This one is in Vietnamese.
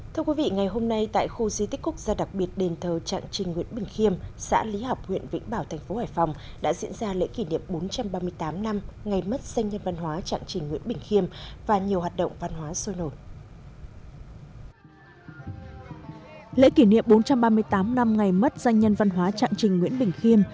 thưa quý vị ngày hôm nay tại khu di tích quốc gia đặc biệt đền thờ trạng trình nguyễn bình khiêm